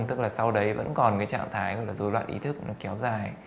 tức là sau đấy vẫn còn trạng thái dối loạn ý thức kéo dài